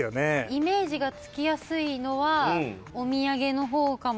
イメージがつきやすいのはお土産の方かもしれない。